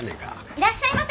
いらっしゃいませ！